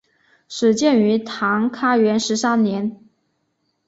始建于唐开元十三年。